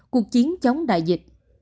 cuộc chiến chống đại dịch